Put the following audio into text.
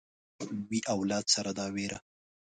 وي اولاد سره دا وېره